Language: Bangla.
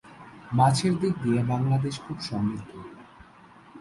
মাছের দিক দিয়ে বাংলাদেশ খুব সমৃদ্ধ।